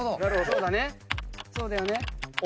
そうだよね！